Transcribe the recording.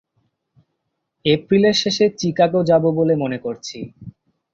এপ্রিলের শেষে চিকাগো যাব বলে মনে করছি।